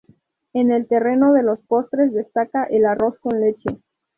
En el terreno de los postres destaca el arroz con leche.